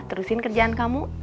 terusin kerjaan kamu